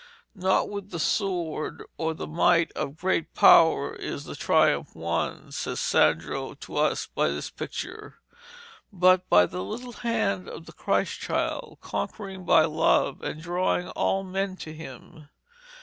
Not with the sword or the might of great power is the triumph won, says Sandro to us by this picture, but by the little hand of the Christ Child, conquering by love and drawing all men to Him.